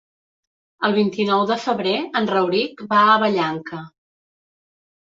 El vint-i-nou de febrer en Rauric va a Vallanca.